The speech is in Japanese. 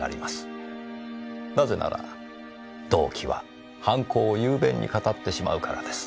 なぜなら動機は犯行を雄弁に語ってしまうからです。